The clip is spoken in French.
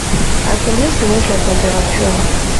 À combien se monte la température ?